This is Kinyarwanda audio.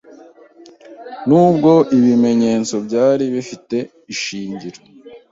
Nubwo ibimenyetso byari bifite ishingiro